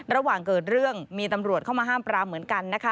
ระหว่างเกิดเรื่องมีตำรวจเข้ามาห้ามปรามเหมือนกันนะคะ